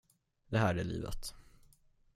Det här är livet.